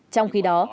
trong khi đó